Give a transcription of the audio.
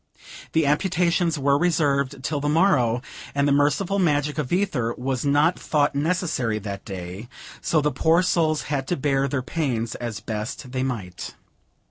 The amputations were reserved till the morrow, and the merciful magic of ether was not thought necessary that day, so the poor souls had to bear their pains as best they might.